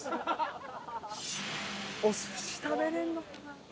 お寿司食べられるのかな？